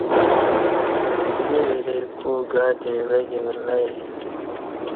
اینہ وری کو گاتے عویکی ولہ یے